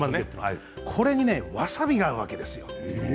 これにわさびが合うわけですよ。